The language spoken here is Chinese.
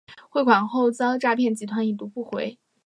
汇款后遭诈骗集团已读不回